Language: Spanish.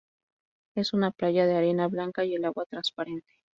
Es una playa de arena blanca y el agua transparente.